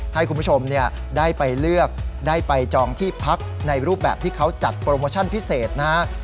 ให้คุณผู้ชมได้ไปเลือกได้ไปจองที่พักในรูปแบบที่เขาจัดโปรโมชั่นพิเศษนะฮะ